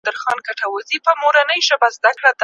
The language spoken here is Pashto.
له مخلوقه لاره ورکه شهید پروت دی مور په ساندو